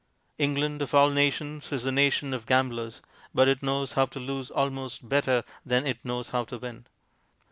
England, of all nations, is the nation of gamblers, but it knows how to lose almost better than it knows how to win.